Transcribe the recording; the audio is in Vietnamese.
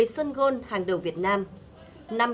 một mươi sân gôn hàng đầu việt nam